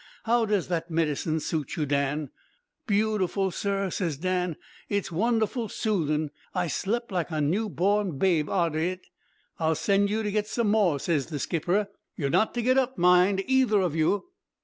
How does that medicine suit you, Dan?' "'Beautiful, sir,' says Dan. 'It's wonderful soothing. I slep' like a new born babe arter it.' "'I'll send you to get some more,' ses the skipper. 'You're not to get up, mind, either of you.'